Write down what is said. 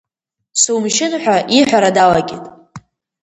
Сумшьын ҳәа иҳәара далагеит.